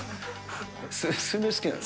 スルメ好きなの？